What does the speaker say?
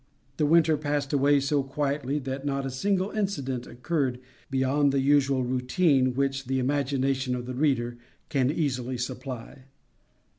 The winter passed away so quietly that not a single incident occurred beyond the usual routine which the imagination of the reader can easily supply.